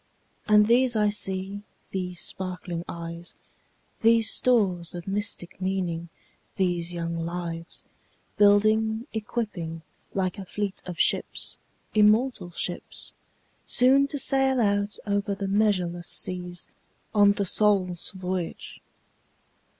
And these I see, these sparkling eyes, These stores of mystic meaning, these young lives, Building, equipping like a fleet of ships, immortal ships, Soon to sail out over the measureless seas, On the soul's voyage.